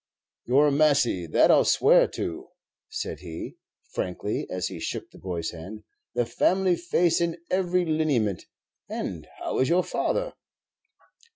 "You're a Massy, that I'll swear to," said he, frankly, as he shook the boy's hand; "the family face in every lineament. And how is your father?"